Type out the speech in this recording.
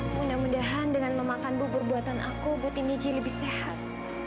mudah mudahan dengan memakan bubur buatan aku buti niji lebih sehat